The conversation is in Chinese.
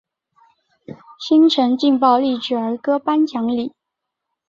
新城劲爆励志儿歌颁奖礼。